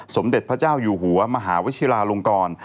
สมเด็จพระเจ้าอยู่หัวมหาวิชิลาลงกร